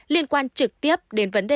liên quan trực tiếp đến vấn đề